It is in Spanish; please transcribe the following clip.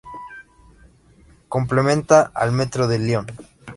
Complementa al metro de Lyon.